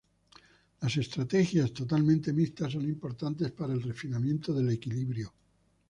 Las estrategias totalmente mixtas son importantes para el refinamiento del equilibrio.